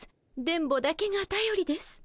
電ボだけがたよりです。